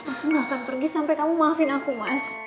aku gak akan pergi sampai kamu maafin aku mas